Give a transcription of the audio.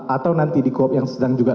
atau nanti di cop yang sedang juga